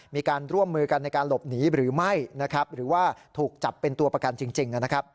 มีการร่วมมือกันในการหลบหนีหรือไม่หรือว่าถูกจับเป็นตัวประกันจริง